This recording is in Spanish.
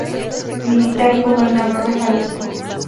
Militar y gobernador de Jalisco.